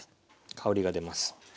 香りが出ます。